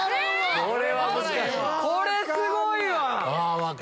これすごいわ！